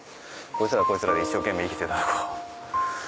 こいつらはこいつらで一生懸命生きてたとこを。